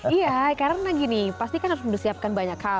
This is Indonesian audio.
iya karena gini pasti kan harus mempersiapkan banyak hal